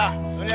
ya itu dia